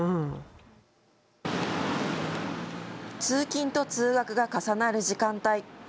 通勤と通学が重なる時間帯。